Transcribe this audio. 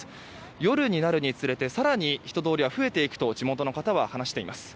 夜になるにつれて更に人通りは増えていくと地元の方は話しています。